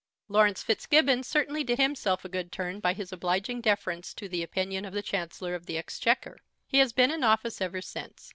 Laurence Fitzgibbon certainly did himself a good turn by his obliging deference to the opinion of the Chancellor of the Exchequer. He has been in office ever since.